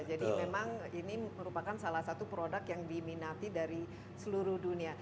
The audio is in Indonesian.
jadi memang ini merupakan salah satu produk yang diminati dari seluruh dunia